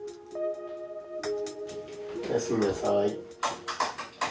おやすみなさい。